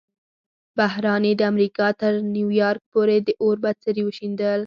بحران یې د امریکا تر نیویارک پورې د اور بڅري وشیندل.